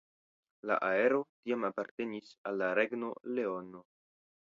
La areo tiam apartenis al la Regno Leono.